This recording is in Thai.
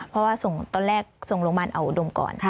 เพราะว่าส่งตอนแรกส่งโรงพยาบาลเอาอุดมก่อน